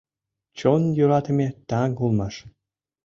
Чон йӧратыме таҥ улмаш.